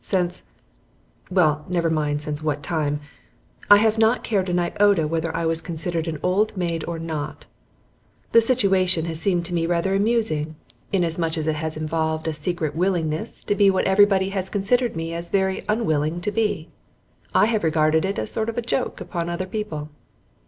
Since well, never mind since what time I have not cared an iota whether I was considered an old maid or not. The situation has seemed to me rather amusing, inasmuch as it has involved a secret willingness to be what everybody has considered me as very unwilling to be. I have regarded it as a sort of joke upon other people.